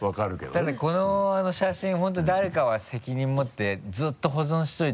ただこの写真本当に誰かは責任持ってずっと保存しておいて。